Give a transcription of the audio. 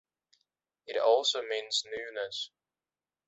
It also means Newness.